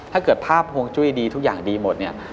ถ้าเกิดภาพฮวงจุ้ยดีทุกอย่างดีหมดเนี่ย